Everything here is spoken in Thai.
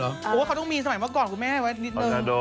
เพราะว่าเขาต้องมีสมัยเมื่อก่อนคุณแม่ไว้นิดนึง